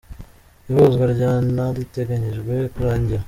Ihuzwa rya na riteganyijwe kurangira.